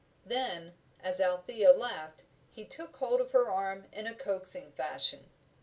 Then, as Althea laughed, he took hold of her arm in a coaxing fashion.